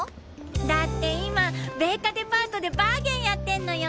だって今米花デパートでバーゲンやってんのよ。